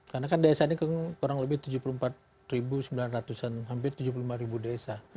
karena kan desa ini kurang lebih tujuh puluh empat sembilan ratus an hampir tujuh puluh lima desa